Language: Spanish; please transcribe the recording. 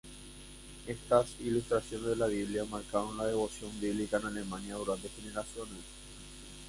Estas "ilustraciones de la Biblia" marcaron la devoción bíblica en Alemania durante generaciones.